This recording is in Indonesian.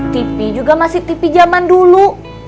tp juga masih tp jaman dulu